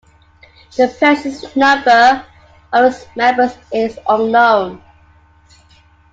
The precise number of its members is unknown.